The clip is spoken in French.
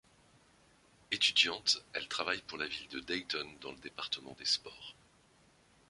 Étudiante, elle travaille pour la ville de Dayton dans le département des sports.